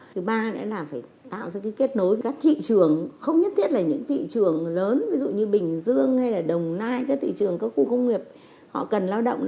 thứ ba nữa là phải tạo ra cái kết nối với các thị trường không nhất thiết là những thị trường lớn ví dụ như bình dương hay là đồng nai các thị trường các khu công nghiệp họ cần lao động